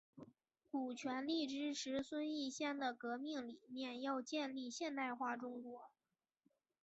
古全力支持孙逸仙的革命理念要建立现代化中国。